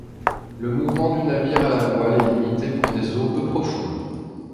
Le mouvement du navire à la voile est limité pour des eaux peu profondes.